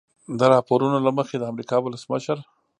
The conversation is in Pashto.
د راپورونو له مخې د امریکا ولسمشر